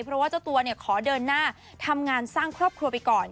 เพราะว่าเจ้าตัวขอเดินหน้าทำงานสร้างครอบครัวไปก่อน